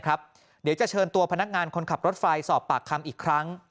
เดี๋ยวจะเชิญตัวพนักงานคนขับรถไฟสอบปากคำอีกครั้ง